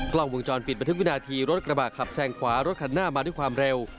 กล้องวงจรปิดบันทึกวินาทีรถกระบะขับแซงขวารถคันหน้ามาด้วยความเร็ว